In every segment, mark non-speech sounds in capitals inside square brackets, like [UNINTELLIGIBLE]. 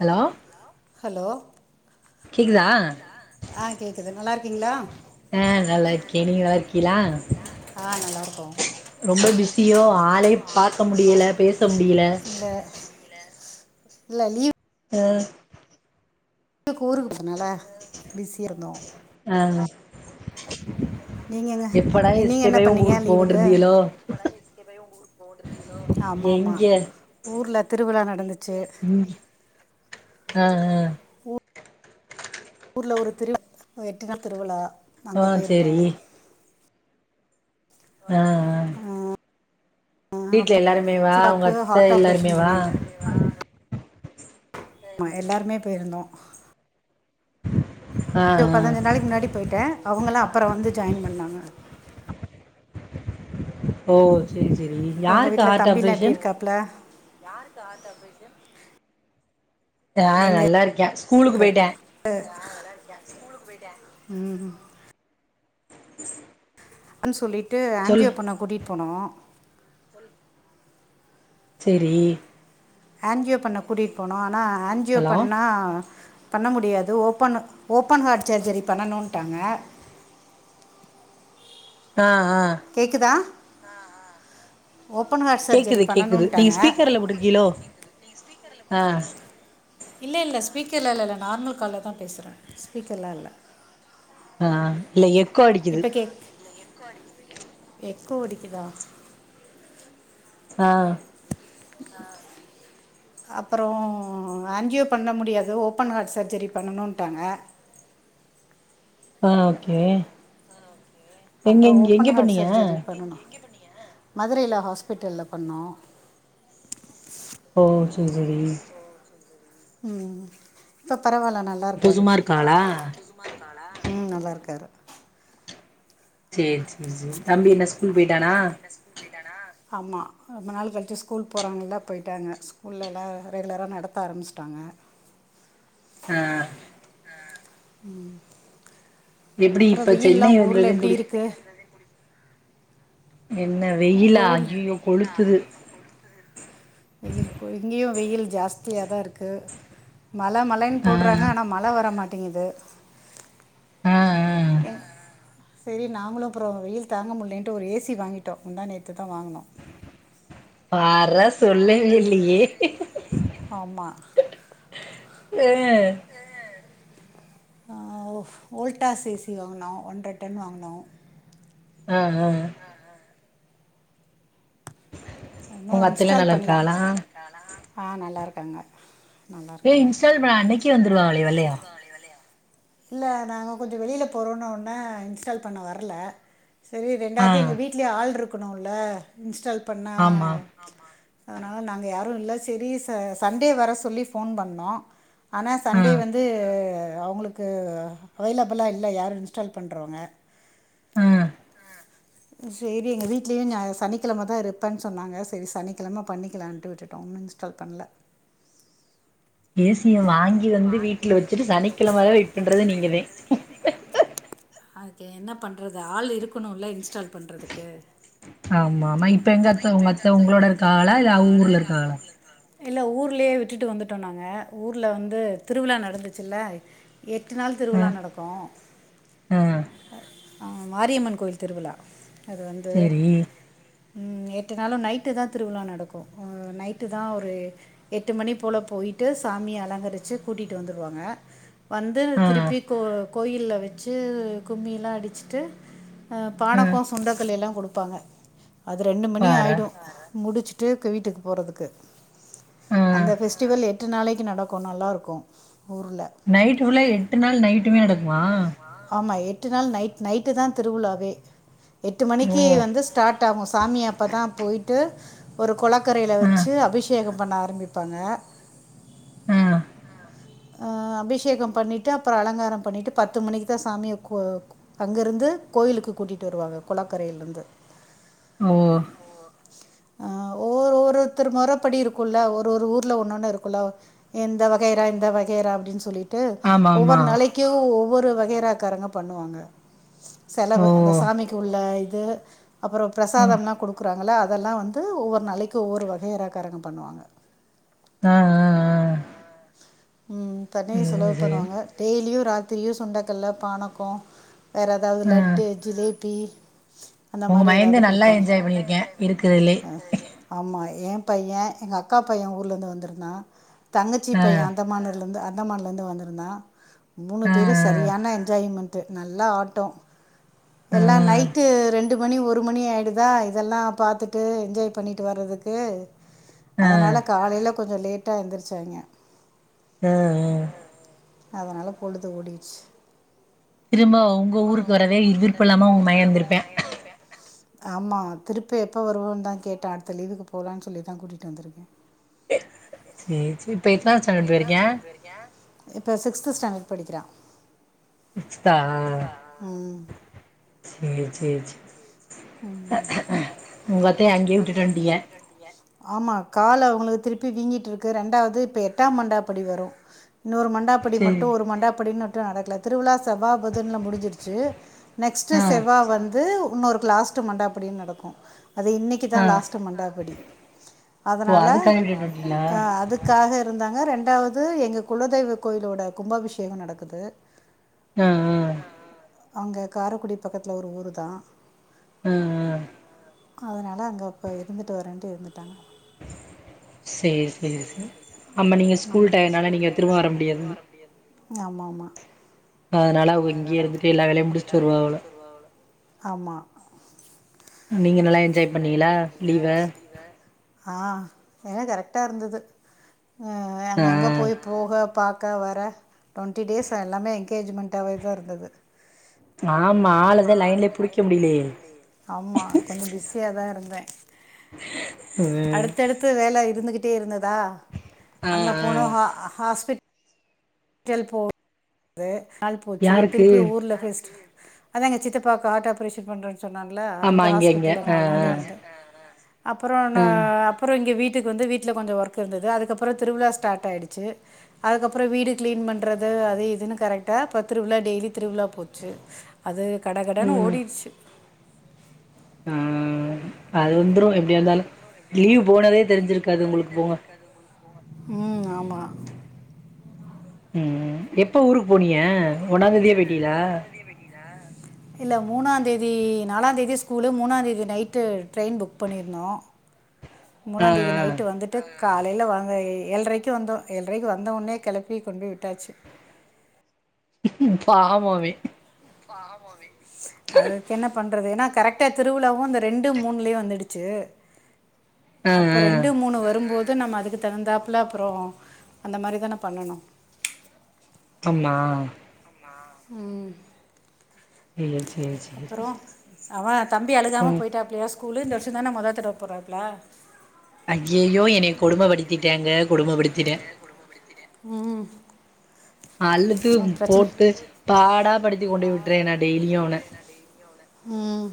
Hello hello கேக்குதா ஆ கேக்குது நல்லா இருக்கீங்ளா ஆ நல்லா இருக்கே நீங்க நல்லா இருக்கீலா அப்றோ ரொம்ப பிஸியோ ஆளே பாக்க முடியில பேச முடியில இல்ல ஆஹ் லீவுக்கு ஊருக்கு போனேல பிஸியா இருந்தோ ஆஹ் நீங்கங்க எப்படா நீங்கள் என்ன எஸ்கேப்பாய் ஒங்க பண்ணீங்க ஊருக்கு போவோன் இருந்தீங்கலோ [UNINTELLIGIBLE] ஆமா மா ஊர்ல திருவிழா நட சேர் ஆஹ் ஆஹ் ஊர்ல ஒரு திருட் எட்டு நாள் திருவுழா அங்க ஆ பொய்ருந்தோ சேரி ஆ வீட்ல எல்லாருமே வா உங்க சிப்பாக்கு அத்த ஹார்ட் எல்லாருமே ஆப்ரேஷன் வா பண்ணியிருந்தேன் ஆமா எல்லாருமே பெயிருந்தோ ஆ சோ ஆ பதினஞ்சு நாளைக்கு முன்னாடி பொயிட்டே அவங்கலா அப்றோ வந்து ஜாயின் பண்ணாங்க ஓ சேரி சேரி ம் உங்கள் யாருக்கு வீட்டில் ஹார்ட் தம்பிலாம் எப்படி ஆப்ரேஷன் இருக்காப்புல ஆ நல்லாருக்கே ஸ்கூலுக்கு எங்கள் போயிட்டே ம் ம் சொல்லி ட்டு சொல்லு ஆஞ்சியோ பண்ண கூட்டிட் போனோ செரி ஆன்ஜியோ பண்ண கூட்டிட்டு போனோ ஆனா ஆன்ஜியோ ஹலோ பண்ணா பண்ண முடியாது ஓபன் ஓபன் ஹார்ட் சர்ஜரி பண்ணணுன்ட்டாங்க ஆ ஆ கேக்குதா சர்ஜரி கேக்குது கேக்குது நீங்க பண்ணணுன்ட்டாங்க ஸ்பீக்கர்ல போட்டுருக்கிகளோ ஆ ஸ்பீக்கர்லாம் இல்லை இல்லை நார்மல் கால்ல தான் பேசறேன் ஸ்பீக்கர்லாம் இல்லை ஆ இல்ல அடிக்குது இப்ப கேக் எக்கோ அடிக்குதா ஆ அப்புறம் ஆன்ஜியோ பண்ண முடியாது ஓப்பன் ஹார்ட் சர்ஜரி பண்ணணும்ட்டாங்க ஆ ஓகே எங்க அப்புறம் எங் எங்க ஓப்பன் ஹார்ட் பண்ணீங்க சர்ஜரி பண்ணனும் மதுரையில ஹாஸ்பிட்டல்ல பண்ணோம் சரி ம் பரவாயில்ல நல்லா இப்ப இருக்காரு சும்மா இருக்காளா ம் நல்லாயிருக்கார் சேரி தம்பி என்ன ஸ்கூல் போய்டானா ஆமா ரொம்ப நாள் கழிச்சு ஸ்கூல் போறாங்கல்ல போயிட்டாங்க ஸ்கூல்ல எல்லாம் ரெகுலரா நடத்த ஆரம்பிச்சிட்டாங்க அ ம் எப்புடி இப்ப சென்னை வந்ததுதே புடி இருக்குது உங்க வெயிலா ஊர்ல ஐயையோ கொளுத்துது வெயில் கொளு இங்கயு வெயில் ஜாஸ்தி ச்தியதா இருக்கு மழை மலைன்னு ஆ போடுறாங்க ஆனால் மழை வர மாட் ட்டிங்குது ஆ என் சேரி நாங்களு அப்புறோ வெயில் தாங்க முட்லேன்ட்டு ஒரு ஏ சி வாங்கிட்டோ முந்தா நேத்துதா வாங்குனோ [UNINTELLIGIBLE] ர சொல்லவே இல்லையே ஆமாம் ஆ ஆ ஆ ஓ ஓல்டாஸ் ஏ சி வாங்குனோ ஒன்ற டன் வாங்குனோ ஆ ஆ ஒன்னு உங்க அத்தல்லா இன்ஸ்டால் நல்லா பண்ல இருக்காகளா ஆ நல்லாருக்காங்க நல்லா ஏ இருக்காங்க இன்ஸ்டால் பண்ண அன்னைக்கே வந்துருவாகளே வெள்ளையா இல்ல நாங்க கொஞ்சோ வெளியில போறோன்னோனே இன்ஸ்டால் பண்ண வர்ல செரி ஆ ரெண்டாது எங்க வீட்லயு ஆள்ட்ருக் க்குணுல்ல இன்ஸ்டால் ஆமா அதனால நாங்க யாரூ இல்ல செரி ச சண்டே வர சொல்லி ஃபோன் பண்ணோ ஆனா ஆ சண்டே வந்து அ அவுங்களுக்கு அவைலபிளா இல்ல யாரூ இன்ஸ்டால் பண்றவுங்க ம் ம் சேரி எங்க வீட்லயு நியா சனிக்கிழமதா இருப்பேன்னு சொன்னாங்க செரி சனிக்கிழம பண்ணிக்கலான்ட்டு விட்டுட்டோ இன்னு இன்ஸ்டால் பண்ல ஏ சிய வாங்கி வந்து வீட்ல வச்சுட்டு சனிக்கிழம வர வெயிட் பண்றது நீங்கதே ஓகே என்ன பண்ணுறது ஆள் இருக்குணுல்ல இன்ஸ்டால் பண்றதுக்கு ஆமா ஆமா இப்ப எங்கத்த உங்க அத்த உங்களோட இருக்காகளா இல்ல அவுங்க ஊர்ல இருக்காகளா இல்ல ஊர்லயே விட்டுட்டு வந்துட்டோ நாங்க ஊர்ல வந்து திருவிழா நடந்துச்சுல்ல எட்டு நாள் ஆ திருவிழா நடக்கூ ஆ அ மாரியம்மன் கோயில் திருவிழா அது வந்து செரி ம் எட்டு நாளு நைட்டுதா திருவிழா நடக்கூ ம் நைட்டுதா ஒரு எட்டு மணி போல போயிட்டு ஸ் சாமிய அலங்கரிச்சு கூட்டிட்டு வந்துருவாங்க வந்து ஆ திருப்பி கோ கோயில்ல வெச்சு கும்மியெல்லா அடிச்சுட்டு அ ஆ பானக்கோ சுண்டக்கல்லை எல்லா குடுக் ப்பாங்க அது ரெண்டு மணி பார்றா ஆயிடூ முடிச்சு ட்டு வீட்டுக்கு போறதுக்கு ஆ அந்த ஃபெஸ்டிவல் எ ட்டு நாளைக்கு நடக்கு நல்லாருக்கும் ஊர்ல நைட்டு ஃபுல்லா எட்டு நாள் நைட்டுமே நடக்குமா? ஆமா எட் ட்டுநாள் நைட் நைட்டு தா திருவிழாவே எட்டு ஓ மணிக்கி வந்து ஸ்டார்ட் ஆகு சாமி அப்பதா போய்ட் ட்டு ஒரு கொளக்கரைல ஆ வச்சி அபிஷேகம் பண்ண ஆரம்பிப்பாங்க ஆ அ அபிஷேகம் பண்ணிட்டு அப்பறோ அலங்காரம் பண்ணிட்டு பத்து மணிக்கு தா சாமிய கு அங்கருந்து கோயிலுக்கு கூட்டிட்டு வருவாங்க கொளக்கரையிலருந்து ஓ ஆ ஓ ஒருத்தர் முறப்படிருக்குல்ல ஒரு ஒரு ஊர்ல ஒன்னொன்னு இருக் குல்ல எந்த வகைரா எந்த வகைரா அப்டின் சொல்லிட் டு ஆமாமா ஒவ்வொரு நாளிக்கு ஒவ்வொரு வ கேராக்காரங்க பண்ணுவாங்க ஓ செலவு அந்த சாமிக்கு உள்ள து அப்புறோ ஆ பிரசாதம்னா குடுக்குறாங் னால அதெல்லா வந்து ஒவ்வொர் நாளிக்கு ஒவ்வொரு வகையராகாரங்க பண்ணுவாங்க ஆ ஆ ஆ ஆ ம் ஆ தனியா சேரி செலவு சேரி பண்ணுவாங்க டெய்லியு ரா தியு சுண்டக்கல்ல பானக்கோ வேற ஏதாவது ஆ லட்டு ஜிலேப் பி அந்த உங்க மாரி மயந்த ஏதாவது நல்லா குடுப்பாங் என்ஜாய் பண்ணிருக்கே இருக்கறதுலே ஆமா ஏ பையெ எங்க அக்கா பையெ ஊர்லந்து வந்திருந்தா தங்கச்சி பையே ஆ. லருந்து அந்தமான்லருந்து வந்திருந்தா மூணு ஆ பேரு சரியான ன்ஜாய்மெண்ட்டு நல்லா ஆட்டோ ஆ ஆ எல்லா நைட்டு ரெண்டு மணி ஒரு மணி ஆயிடுதா இதெல்லா பாத்துட்டு என்ஜாய் பண்ணிட்டு வறதுக்கு ஆ அதனால காலைல கொஞ்சோ லேட்டா எந்திர்ச்சாய்ங்க ஆ ஆ அதனால பொழுது ஓடிருச்சு திரும்ப உங்க ஊருக்கு வரதே இவிர்ப்பு இல்லாமயே உங் மகே இருந்திருப்பியா ஆமா திருப்பி எப்ப வருவோன் தா கேட்டா அடுத்த லீவுக்கு போலான் சொல்லிதா கூட்டிட்டு வந்திருக்கே சேர் சேரி இப்ப எத்னாத் ஸ்டாண்டட் போயிருக்கா இப்போ சிக்ஸ்த்து ஸ்டாண்டர்ட் படிக்கிறா சிக்ஸ்த்தா சேர் சேர் சே ம் அங்கேயே விட்டுட்டு வந்ட்டீங்க ஆமா காலு அவுங்களுக் திருப்பி வீங்கிட்ருக்கு ரெண்டாவ்து இப்ப எட்டாம் மண்டாப்படி வரு இன்னோரு மண்டாப்படி மட்டு சேரி ஒரு மண்டாப்படின்னு ட்ரு நடக்கல திருவிழா செவ்வா புதன்ல முடிஞ்சிருச்சு நெக்ஸ்ட் ஆ செவ்வா வந்து உன்னோரு லாஸ்ட்டு மண்ட அப்படி நடக்கு அது இன்னிக்கு தா ஆ லாஸ்ட்டு மண்டாபிடி ஓ அதனால அதுக்காக விட்டுட்டு வந்ட்டீங்களா அ அதுக்காக இருந்தாங்க ரெண் ரெண்டாவது எங்க குலதெய்வ கோயிலோட கும்பாபிஷேகோ நடக்குது ம்‌ ம் அங்க காரக்குடி பக்கத்துல ஒரு ஊரு தா ம் ம் அதுனால அங்க இப்ப இருந்துட்டு வரேன்ட்டு இருந்துட்டாங்க சேர் சேரி சார் ஆம்மா நீங்க ஸ்கூல் டயனால நீங்க திரும்போ வர முடியாது ஆமாமா அதனால அவ இங்கேயே இருந்துட்டு எல்லா வேலையு முடிச்சுட்டு வருவா போல ஆமா நீங்க நல்லா என்ஜாய் பண்ணீங்களா லீவ வேல கரெக்ட்டா இருந்துது அ அங்கங்க ஆ போய் போக பாக் க வர டுவண்ட்டி டேஸ் எல்லாமே என்கேஜ்மெண்டாவே தா இருந்தது ஆமா ஆளதா லைன்லயே புடிக்க முடியலையே ஆம்மா கொஞ்சோ பிஸியா தா இருந் தே ம் அடுத்தடுத்து வேல இருந்து கிட்டே இருந்த தா ஆ அங்க ஆ போனோ ஹா அ ஹாஸ்பிட் டல் போ து நாள் போச்சு யாருக்கு திருப்பியு ஊர்ல ஃபெஸ்ட் அதா எங்க சித்தப்பாவ்க்கு ஆட் ஆப்ரேஷன் பண்றாங் சொன்னாங்களா அங்க ஆமா இங்க இங்க ஹாஸ்பிட்டல்ல ஆ நால் ஆ நாள் இருந்தே அப்புறம் நா ஆ அப்புறம் இங்க வீட் சித்திக்கு வந்து வீட்ல கொஞ்சம் ஒர்க் இருந்துது அதுக்கப்புறம் திருவிழா ஸ்டார்ட் ஆயிடுச்சு அதுக்கப்புற வீடு கிளீன் பண்றது அது இதுன்னு கரெக்டா பத்துருவுல டெய்லி திருவிழா போச்சு அது கடகடன்னு ம் ஓடிடுச்சு. ஆ அது வத்ரு எப்டியாருந்தாலு லீவ் போனதே தெரிஞ்சிருக்காது உங்களுக்கு போங்க ம் ஆமா ம் எப்ப ஊருக் போனீயே ஒண்ணா தேதியே போய்டியலா இல்ல மூணாந்தேதி நாலாந்தேதியே ஸ்கூலு மூணாந்தேதி நைட்டு ட்ரெயின் புக் பண்ணிருந்தோ மூணா ஆ தேதி நைட்டு ஆ வந்துட்டு காலையில வாங்க எ ஏழ்றைக்கு வந்தோ ஏழ்றைக்கு வந்தவோனே கெளப்பி கொண்டு போய் விட்டாச்சி பாவோ அவே பாவோ அவே அதுக் என்ன பண் பண்றது ஏனா கரெக்டா திருவிழாவு அந்த ரெண்டு மூண்லயு வந்துடுச்சி ஆ அப்ப ஆ ரெண்டு மூணு வரும்போத் கு நம்ம அதுக்கு தகுந்தாப்ல அப்றோ அந்த மாரி தான பண்ணனு அம்மா ம் சேரி சேரி அப்பறோ சேரி அவ தம்பி அழுகாம ம் போயிட்டாப்லயா ஸ்கூலு இல்ல மட்டு தானா மொத தடவ போறாப்ல ஐயய்யோ என்னய கொடும படித் த்திட்டாங்க கொடும படுத்திட்டே ம் அழுத்து ஒன்றும் பிரச்சனை போட்டு பாடா படித்தி கொண்டு போய் விட்றேன் நான் டெய்லியும் அவன ம்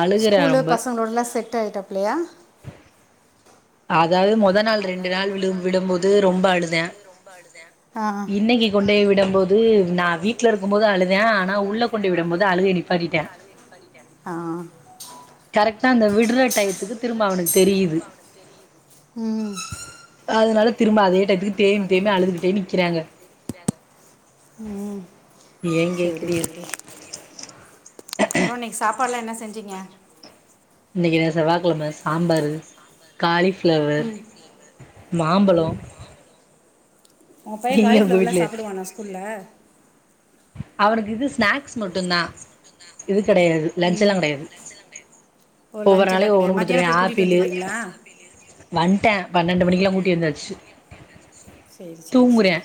அழுகுறே ஸ்கூலு ரொம்ப பசங்களோட எல்லாம் செட் ஆயிட்டா ப்ளயா [UNINTELLIGIBLE] அதாவது மொத நாள் ரெண்டு நாள் விடும் விடும்போது ரொம்ப அழுதே இன்னைக்கி கொண்டே இன்னைக்கி கொண்டைய் விடம் போது நா அழுதே வீட்ல ஆனா இருக்கும்போது உள்ள அழுதே கொண்டு ஆனா விடும்போது உள்ள அழுகைய கொண்டு போய் விடம் நிப்பாட்டிட்டே போது அழுகய நிப்பாட்டிட்டே கரெக்டா அந்த விடுற கரெக்ட்டா அந்த டயத்துக்கு விட்ற திரும்ப அவனுக்கு டைம்முக்கு தெரியுது திரும்ப அவனுக்கு தெரியுது அதனால அதனால திரும்ப அதே டயத்துக்கே க்கிறாங்க ம் செரி செரி அப்றோ நீ சாப் ப்பலா என்ன செஞ்சீங்க இன்னைக்கு தே செவ்வாகெழம சாம்பாரு காலி ஃப்ளவர் மாம்பலோ உங்க பைய காலி ஃபிளவர்ல்லா சாப்புடுவானா ஸ்கூல்ல அவனுக்கு இது ஸ்நாக்ஸ் மட்டுந் தா இது கிடையாது லன்ச்சல்லா ம் கிடையாது ஓ ஒவ்வொரு லஞ்ச் எல்லாம் நாளையும் ஒவ்வொன்று கிடையாது கொடுத்துருவே மத்தியானம் போய் கூட்டிகிட்டு ஆப்பிளு வந்துடுவீங்களா வந்டா பன்னெண்டு மணிக்கெல்லா கூட்டி வந்தாச்சு சரி சரி தூங்குறயா‌ சரி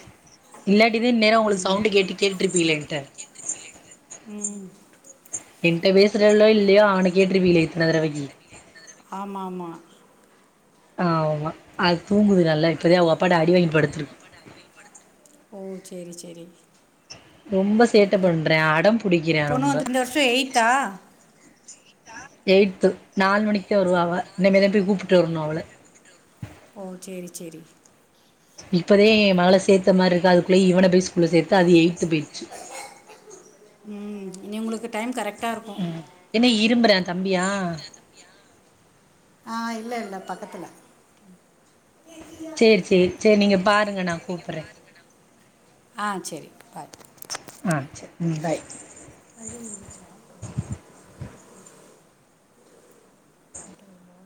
இல்லாட்டிதா இந்நேர உங்களுக்கு சவுண்ட் ம் கேட்டு கேட் ட்ட உம் என்ட்ட பேசுறல்லோ இல்லையோ அவன கேட்டிருப்பீ இத்தனை தடவைக ஆமா ஆமா ஆமா அது தூங்குது நல்லா இப்பதா அவங்க அப்பாட அடிவாங்கிட்டு படுத்த ஓ சேரி சேரி ரொம்ப சேட்டை பண்றே அடம் புடிக்கிறயா பொண்ணு ரொம்ப வந்து இந்த வருஷம் எயித்தா எயி்த்து நாலு மணிக்கு தா வருவா அவ இனிமேதா போய் கூப்பிட்டு வரணு அவள ஓ சேரி சேரி இப்பதே மகள சேர்த்த மாரி இருக்கு அதுக்குள்ள இவன ஸ்கூல்ல சேர்த்து அது எயி்த்து போய்டிச்சு உம் இனி உங்களுக்கு டைம் கரெக்ட் உம் என்னா இரும்புறா தம்பியா ஆஹ் இல்ல இல்ல பக்கத்துல செரி செரி செரி நீங்க பாருங்க நா கூப்பிறே ஆஹ் செரி [UNINTELLIGIBLE] பாரு ஆ சேர் [UNINTELLIGIBLE] பாய் [INAUDIBLE]